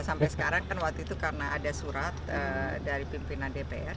sampai sekarang kan waktu itu karena ada surat dari pimpinan dpr